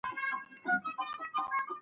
ټولنپوه وويل چي پايلي بدلېږي.